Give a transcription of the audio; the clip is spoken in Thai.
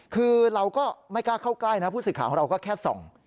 คือเราก็ไม่กล้าเข้าใกล้นะผู้สื่อข่าวของเราก็แค่ส่อง